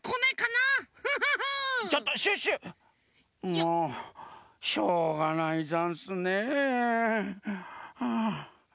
もうしょうがないざんすね。はあ。